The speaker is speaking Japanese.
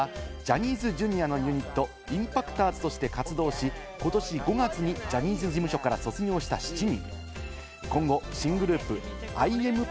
合流したのはジャニーズＪｒ．のユニット、ＩＭＰＡＣＴｏｒｓとして活動し、ことし５月にジャニーズ事務所から卒業した７人。